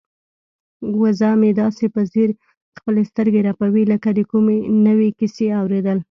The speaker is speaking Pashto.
وزه مې داسې په ځیر خپلې سترګې رپوي لکه د کومې نوې کیسې اوریدل.